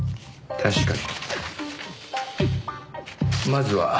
確かに。